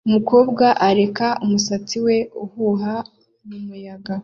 umukobwa areka umusatsi we uhuha mumuyaga